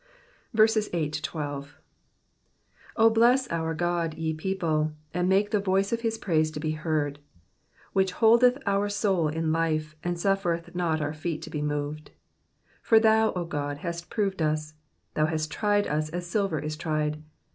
Digitized by VjOOQIC PSALM THE SIXTY SIXTH, 185 8 O bless our God, ye people, and make the voice of his praise to be heard : 9 Which holdeth our soul in life, and suffereth not our feet to be moved. 10 For thou, O God, hast proved us : thou hast tried us, as silver is tried.